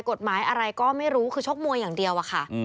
กฎหมายอะไรก็ไม่รู้คือชกมวยอย่างเดียวอะค่ะ